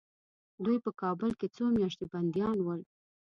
دوی په کابل کې څو میاشتې بندیان ول.